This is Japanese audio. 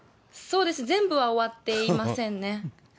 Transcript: そうです、全部は終わっていませんね。